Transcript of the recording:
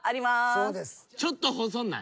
そうです。